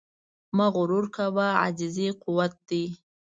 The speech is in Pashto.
مه غرور کوه، عاجزي قوت دی.